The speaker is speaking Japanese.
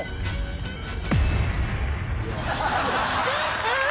えっ！？